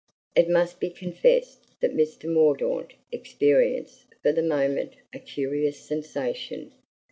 It must be confessed that Mr. Mordaunt experienced for the moment a curious sensation.